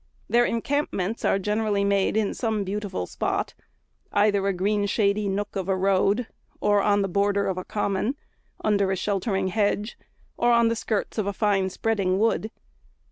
Their encampments are generally made in some beautiful spot; either a green shady nook of a road; or on the border of a common, under a sheltering hedge; or on the skirts of a fine spreading wood.